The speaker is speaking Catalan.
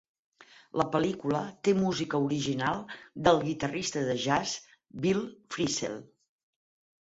La pel·lícula té música original del guitarrista de jazz Bill Frisell.